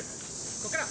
こっから！